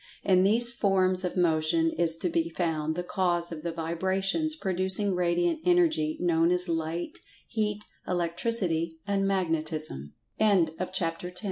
In these forms of Motion is to be found the cause of the vibrations producing Radiant Energy, known as Light, Heat, Electricity and Ma